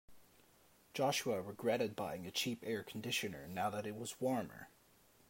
Joshua regretted buying a cheap air conditioner now that it was warmer.